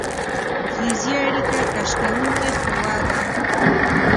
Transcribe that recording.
فلزي اړیکه کش کوونکې قوه ده.